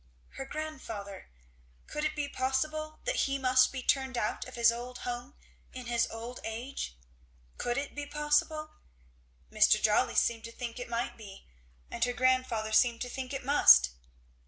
Her grandfather? could it be possible that he must be turned out of his old home in his old age? could it be possible? Mr. Jolly seemed to think it might be, and her grandfather seemed to think it must.